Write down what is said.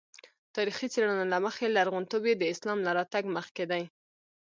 تاریخي څېړنو له مخې لرغونتوب یې د اسلام له راتګ مخکې دی.